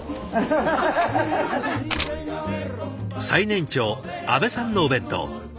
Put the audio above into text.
最年長阿部さんのお弁当。